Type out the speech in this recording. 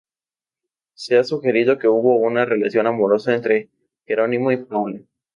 Se ha sugerido que hubo una relación amorosa entre Jerónimo y Paula.